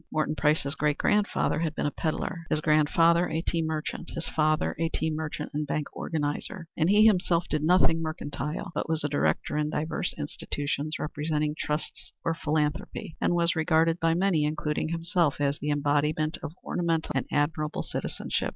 Morton Price's great grandfather had been a peddler, his grandfather a tea merchant, his father a tea merchant and bank organizer, and he himself did nothing mercantile, but was a director in diverse institutions, representing trusts or philantrophy, and was regarded by many, including himself, as the embodiment of ornamental and admirable citizenship.